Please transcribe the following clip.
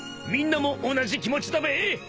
みんなも同じ気持ちだべ。